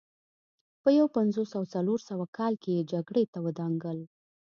په یو پنځوس او څلور سوه کال کې یې جګړې ته ودانګل